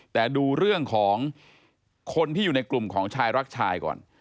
แต่ดูเรื่องของคนที่อยู่ในกลุ่มของชายรักชายก่อน